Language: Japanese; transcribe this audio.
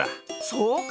そうか。